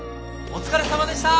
お疲れさまでした！